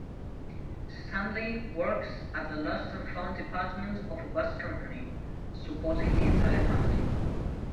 Stanley works at the lost-and-found department of a bus company, supporting the entire family.